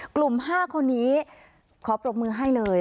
กลุ่ม๕คนนี้ขอปรบมือให้เลย